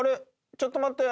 ちょっと待って。